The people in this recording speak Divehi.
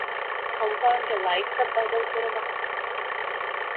ކޮމްޕައުންޑްގެ ލައިޓްތައް ބަދަލުކުރުމަށް